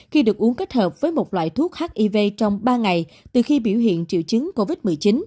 khi được uống kết hợp với một loại thuốc hiv trong ba ngày từ khi biểu hiện triệu chứng covid một mươi chín